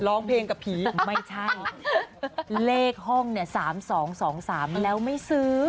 ร้องเพลงกับผีไม่ใช่เลขห้องเนี่ย๓๒๒๓แล้วไม่ซื้อ